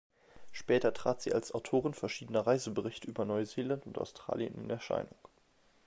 Später trat sie als Autorin verschiedener Reiseberichte über Neuseeland und Australien in Erscheinung.